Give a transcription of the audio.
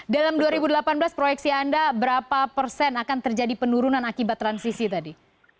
dalam dua ribu delapan belas proyeksi anda berapa persen akan terjadi penurunan akibat transisi tadi